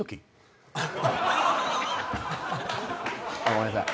ごめんなさい。